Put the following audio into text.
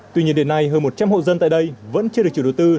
tuy nhiên đến nay hơn một trăm linh hộ dân tại đây vẫn chưa được chủ đầu tư